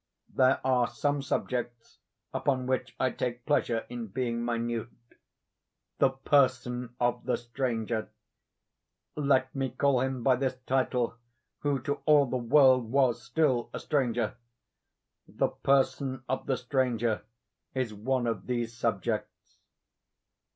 There are some subjects upon which I take pleasure in being minute. The person of the stranger—let me call him by this title, who to all the world was still a stranger—the person of the stranger is one of these subjects.